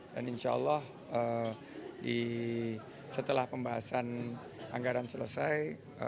dan insya allah setelah pembahasan anggaran selesai